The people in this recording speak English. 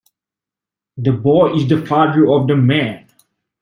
The boy is the father of the man.